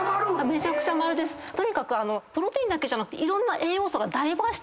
めちゃくちゃ○⁉とにかくプロテインだけじゃなくていろんな。